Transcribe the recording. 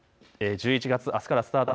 １１月、あすからスタート。